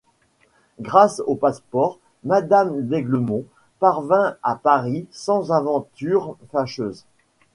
Grâce au passe-port, madame d’Aiglemont parvint à Paris sans aventure fâcheuse.